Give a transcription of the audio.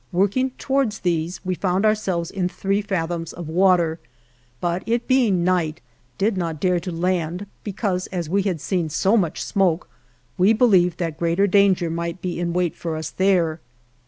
Work ing towards these, we found ourselves in three fathoms of water, but it being night did not dare to land because, as we had seen so much smoke, we believed that greater danger might be in wait for us there.